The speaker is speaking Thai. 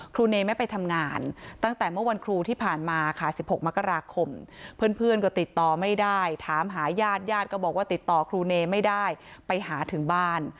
เนไม่ไปทำงานตั้งแต่เมื่อวันครูที่ผ่านมาค่ะ๑๖มกราคมเพื่อนก็ติดต่อไม่ได้ถามหาญาติญาติก็บอกว่าติดต่อครูเนไม่ได้ไปหาถึงบ้าน